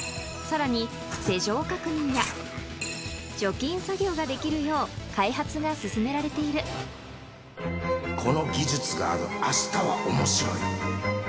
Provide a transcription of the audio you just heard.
さらに作業ができるよう開発が進められているこの技術がある明日は面白い